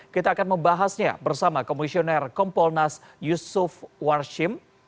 kita akan membahasnya bersama komisioner kompolnas yusuf warshim